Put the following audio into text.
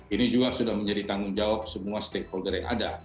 ini juga sudah menjadi tanggung jawab semua stakeholder yang ada